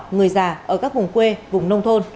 người già ở các vùng quê vùng nông